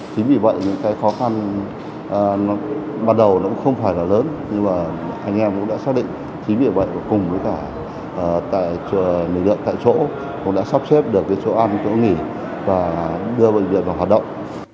chính vì vậy những cái khó khăn ban đầu nó cũng không phải là lớn nhưng mà anh em cũng đã xác định chính vì vậy cùng với cả tại lực lượng tại chỗ cũng đã sắp xếp được cái chỗ ăn chỗ nghỉ và đưa bệnh viện vào hoạt động